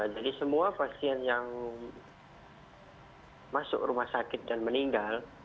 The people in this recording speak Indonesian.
jadi semua pasien yang masuk rumah sakit dan meninggal